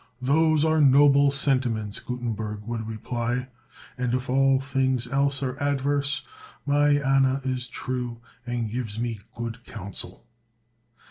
"Those are noble sentiments," Gutenberg would reply; "and if all things else are adverse, my Anna is true, and gives me good counsel."